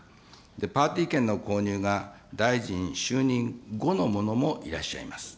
パーティー券の購入が大臣就任後のものもいらっしゃいます。